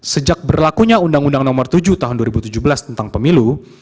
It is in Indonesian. sejak berlakunya undang undang nomor tujuh tahun dua ribu tujuh belas tentang pemilu